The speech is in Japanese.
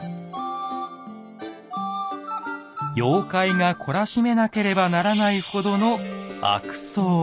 妖怪が懲らしめなければならないほどの「悪僧」。